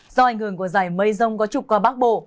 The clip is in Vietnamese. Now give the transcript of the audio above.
do ảnh hưởng của giải mây rông có trục qua bắc bộ